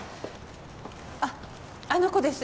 ・・あっあの子です